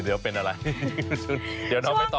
เดี๋ยวเป็นอะไร